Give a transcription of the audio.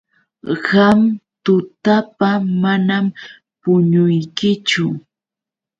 Qam tutapa manam puñuykichu.